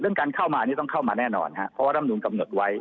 การเข้ามานี่ต้องเข้ามาแน่นอนครับเพราะว่าร่ำนูนกำหนดไว้